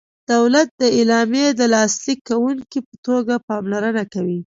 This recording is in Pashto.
دولت د اعلامیې د لاسلیک کوونکي په توګه پاملرنه کوي.